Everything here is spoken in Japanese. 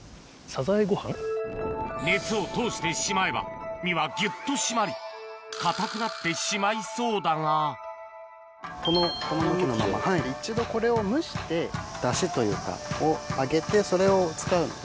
熱を通してしまえば身はぎゅっと締まり硬くなってしまいそうだがこの向きのままはい一度これを蒸してダシというかを上げてそれを使うので。